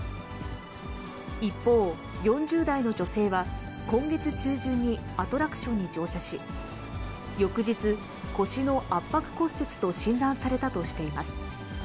一方、４０代の女性は今月中旬にアトラクションに乗車し、翌日、腰の圧迫骨折と診断されたとしています。